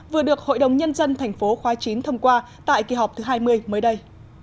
vừa được hội đồng nhân dân tp khóa chín thông qua tại kỳ họp thứ hai mươi mới đây